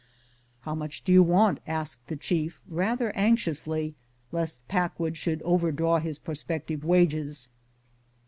" How much do you want .^" asked the chief, rather anxiously, lest Packwood should over draw his prospective wages.